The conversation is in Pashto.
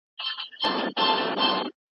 رسول الله د دوی د حقوقو په اړه لارښوونې کړي دي.